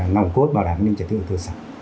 nồng cốt bảo đảm an ninh trật tự